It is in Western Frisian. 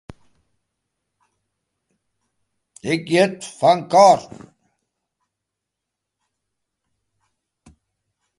Ik hjit fan Henk.